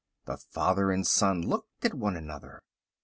The father and son looked at one another.